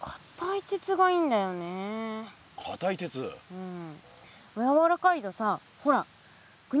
うん。